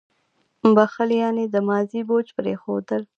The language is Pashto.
• بښل یعنې د ماضي بوج پرېښودل.